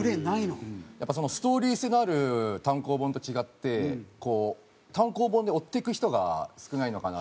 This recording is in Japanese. やっぱストーリー性のある単行本と違って単行本で追っていく人が少ないのかなって。